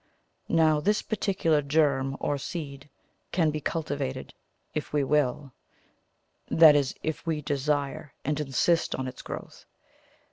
Now this particular germ or seed can be cultivated if we will that is, if we desire and insist on its growth.